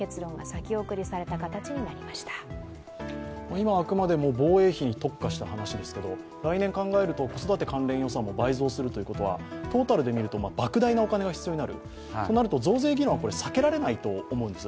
今、あくまでも防衛費に特化した話ですけど来年考えると、子育て関連予算も倍増するということはトータルで見るとばく大なお金が必要となると増税議論は避けられないと思うんです。